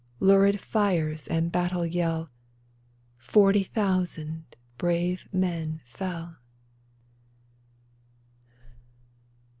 Lurid fires and battle yell, Forty thousand brave men fell